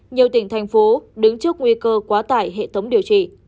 nhiều tỉnh thành phố đứng trước nguy cơ quá tải hệ thống điều trị